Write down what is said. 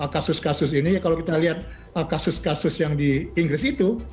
kasus kasus ini kalau kita lihat kasus kasus yang di inggris itu